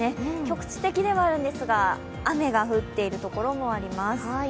局地的ではあるんですが、雨が降っている所もあります。